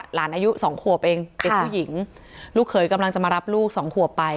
อายุสองขวบเองเป็นผู้หญิงลูกเขยกำลังจะมารับลูกสองขวบไป